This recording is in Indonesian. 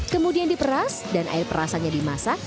kemudian diperas dan air perasannya dimasak